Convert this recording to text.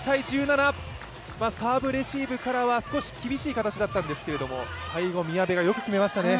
サーブレシーブからは少し厳しい形だったんですけれども、最後、宮部がよく決めましたね。